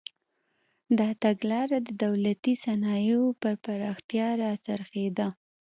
دا تګلاره د دولتي صنایعو پر پراختیا راڅرخېده.